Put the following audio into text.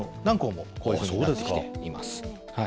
何校もこういうふうにしています。